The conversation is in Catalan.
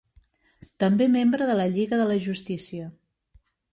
També membre de Lliga de la Justícia.